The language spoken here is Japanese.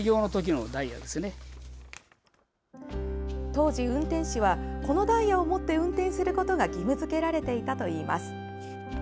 当時、運転士はこのダイヤを持って運転することが義務付けられていたといいます。